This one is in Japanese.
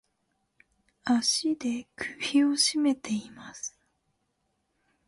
足で首をしめています。